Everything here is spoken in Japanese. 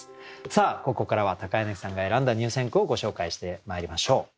さあここからは柳さんが選んだ入選句をご紹介してまいりましょう。